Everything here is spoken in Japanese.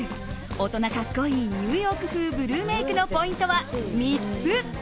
大人格好いいニューヨーク風ブルーメイクのポイントは３つ。